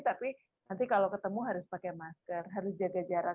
tapi nanti kalau ketemu harus pakai masker harus jaga jarak